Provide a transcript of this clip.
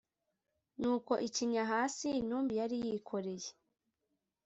" nuko icinya hasi, intumbi yari yikoreye